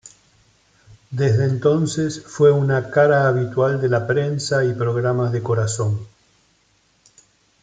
Desde entonces fue una cara habitual de la prensa y programas de corazón.